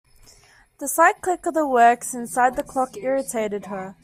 The slight click of the works inside the clock irritated her.